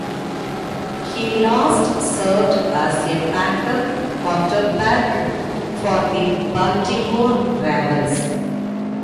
He last served as a backup quarterback for the Baltimore Ravens.